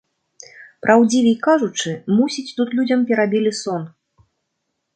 Праўдзівей кажучы, мусіць, тут людзям перабілі сон.